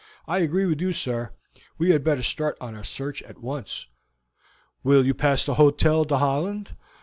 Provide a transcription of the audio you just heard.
I agree with you, sir; we had better start on our search at once." "Will you pass the Hotel d'Hollande?